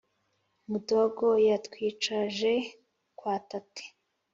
mudogo yatwicaje kwa tate.